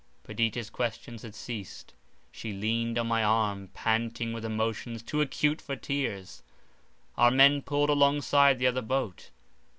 Perdita's questions had ceased; she leaned on my arm, panting with emotions too acute for tears—our men pulled alongside the other boat.